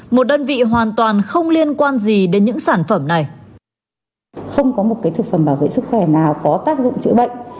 một đơn vị hoàn toàn không liên quan gì đến những sản phẩm này